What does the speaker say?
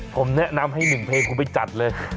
ผมแนะนำให้๑เพลงคุณไปจัดเลย